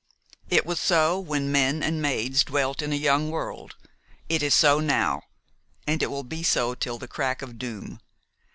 It was so when men and maids dwelt in a young world; it is so now; and it will be so till the crack of doom.